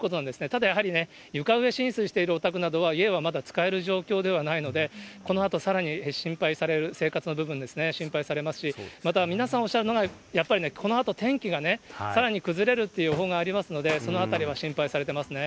ただやはり、床上浸水しているお宅などは、家はまだ使える状況ではないので、このあとさらに心配される、生活の部分ですね、心配されますし、また皆さんおっしゃるのが、やっぱりね、このあと天気がね、さらに崩れるという予報がありますので、そのあたりは心配されてますね。